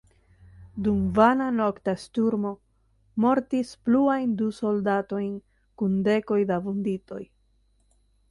Dum vana nokta sturmo mortis pluajn du soldatojn kun dekoj da vunditoj.